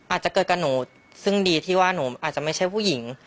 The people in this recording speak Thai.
อาจจะเกิดกับหนูซึ่งดีที่ว่าหนูอาจจะไม่ใช่ผู้หญิง